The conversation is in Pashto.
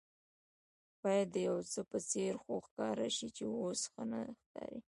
باید د یوڅه په څېر خو ښکاره شي چې اوس ښه نه ښکاري.